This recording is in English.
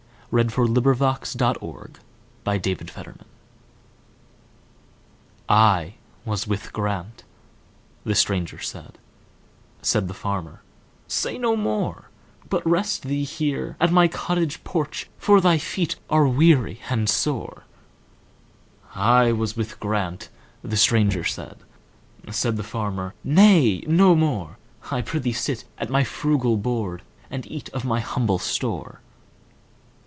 By Francis BretHarte 748 The Aged Stranger "I WAS with Grant"—the stranger said; Said the farmer, "Say no more, But rest thee here at my cottage porch, For thy feet are weary and sore.""I was with Grant"—the stranger said; Said the farmer, "Nay, no more,—I prithee sit at my frugal board, And eat of my humble store.